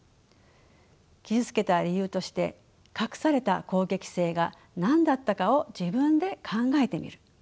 傷つけた理由として隠された攻撃性が何だったかを自分で考えてみる。